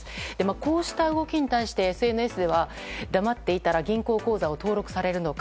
こうした動きに対してＳＮＳでは黙っていたら銀行口座を登録されるのか。